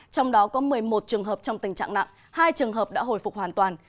trong đó có một mươi một trường hợp trong tình trạng nặng hai trường hợp đã hồi phục hoàn toàn